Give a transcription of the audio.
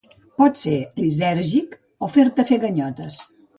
Pot ser lisèrgic o fer-te fer ganyotes.